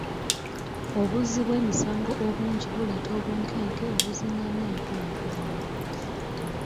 Obuzzi bw'emisango obungi buleeta obunkenke obuzingamya enkulaakulana.